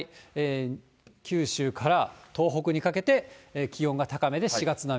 九州から東北にかけて気温が高めで４月並み。